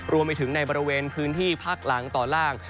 รวมไปถึงในบริเวณพิธีภาคหลังต่อล่าง